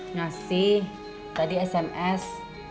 ngasih tadi sms